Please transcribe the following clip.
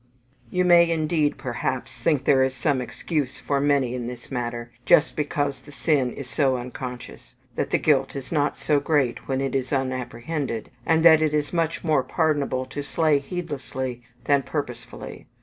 _" You may indeed, perhaps, think there is some excuse for many in this matter, just because the sin is so unconscious; that the guilt is not so great when it is unapprehended, and that it is much more pardonable to slay heedlessly than purposefully.